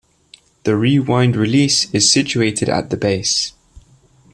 The rewind release is situated at the base.